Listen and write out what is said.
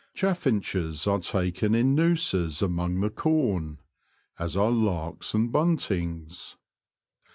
Chaffinches are taken in nooses among the corn, as are larks and buntings.